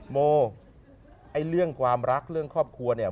โมไอ้เรื่องความรักเรื่องครอบครัวเนี่ย